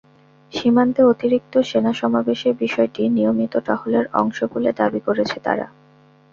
সীমান্তে অতিরিক্ত সেনা সমাবেশের বিষয়টি নিয়মিত টহলের অংশ বলে দাবি করেছে তারা।